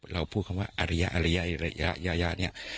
เราพูดคำว่าอริยะระยะเนี่ย